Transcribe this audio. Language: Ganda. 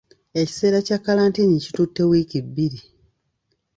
Ekisera kya kkalantiini kitutte wiiki bbiri .